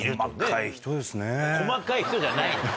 細かい人じゃないの。